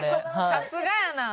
さすがやな。